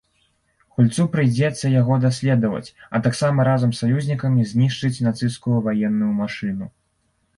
Гульцу прыйдзецца яго даследаваць, а таксама разам з саюзнікамі знішчыць нацысцкую ваенную машыну.